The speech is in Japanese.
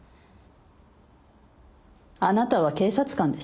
あなたは警察官でしょ？